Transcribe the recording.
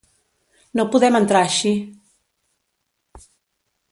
No podem entrar així!